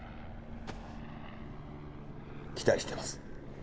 期待してます。